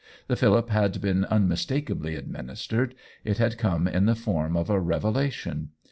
The fillip had been unmistakably administered; it had come in the form of a revelation.